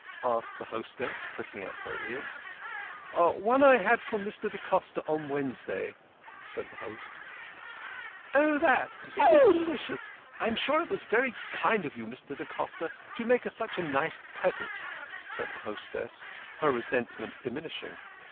asked the hostess, pricking up her ears. " One I had from Mr. da Costa on Wednesday," said the host. THE KING OF SCHNORRERS. 47 " Oh, that ! It was delicious. I am sure it was very kind of you, Mr. da Costa, to make us such a nice present," said the hostess, her resentment diminishing.